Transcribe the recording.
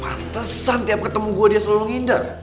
pantesan tiap ketemu gue dia selalu ngindar